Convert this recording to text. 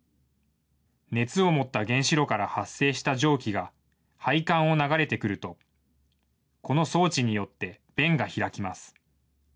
熱を持った原子炉から発生した蒸気が、配管を流れてくると、この装置によって弁が開きます。